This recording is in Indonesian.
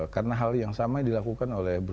karena hal yang sama dilakukan oleh bapak